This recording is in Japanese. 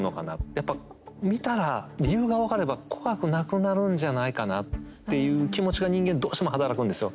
やっぱ見たら理由が分かれば怖くなくなるんじゃないかなっていう気持ちが人間どうしても働くんですよ。